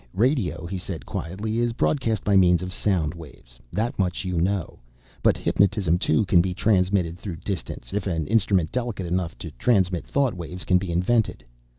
"Radio," he said quietly, "is broadcast by means of sound waves. That much you know. But hypnotism too, can be transmitted through distance, if an instrument delicate enough to transmit thought waves can be invented.